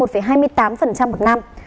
với hai mươi tám một năm